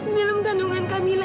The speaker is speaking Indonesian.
di dalam kandungan kak mila